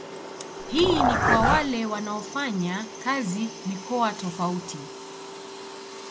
Hii ni kwa wale wanaofanya kazi mikoa tofauti